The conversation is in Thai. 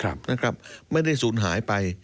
ไม่ได้สูญหายไป